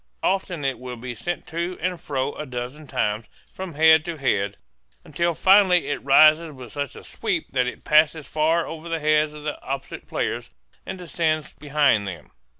Often it will be sent to and fro a dozen times, from head to head, until finally it rises with such a sweep that it passes far over the heads of the opposite players and descends behind them.